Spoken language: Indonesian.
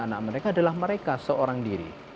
anak mereka adalah mereka seorang diri